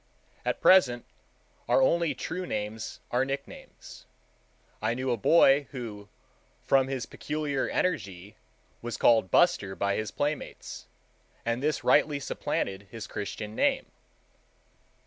At present our only true names are nicknames. I knew a boy who, from his peculiar energy, was called "Buster" by his playmates, and this rightly supplanted his Christian name.